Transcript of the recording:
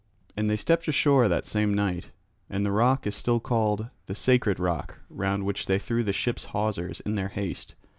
And they stepped ashore that same night; and the rock is still called the Sacred Rock round which they threw the ship's hawsers in their haste.